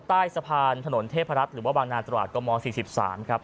ถนนเทพรัฐหรือว่าบางนาตรวัตรก็ม๔๓ครับ